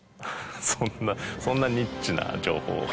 そんなそんなニッチな情報を。